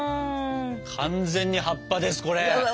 完全に葉っぱですこれ。